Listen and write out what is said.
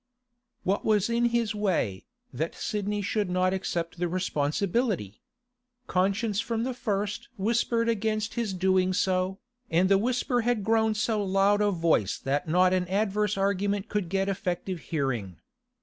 What was in his way, that Sidney should not accept the responsibility? Conscience from the first whispered against his doing so, and the whisper was grown to so loud a voice that not an adverse argument could get effective hearing.